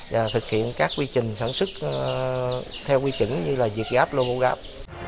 và thực hiện các quy trình sản xuất theo quy chữ như việt gáp lô banh gáp